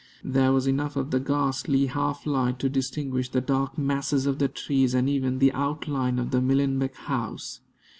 There was enough of the ghastly half light to distinguish the dark masses of the trees and even the outline of the Millenbeck house.